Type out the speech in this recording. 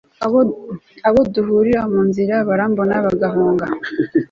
abo duhuriye mu nzira barambona bagahunga